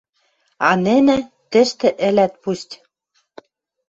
А нӹнӹ — тӹштӹ ӹлӓт пусть!